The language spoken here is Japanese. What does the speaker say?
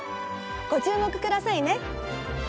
ご注目くださいね！